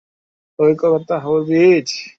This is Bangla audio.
ঐ দেখো, কলকাতার হাওরা ব্রিজ।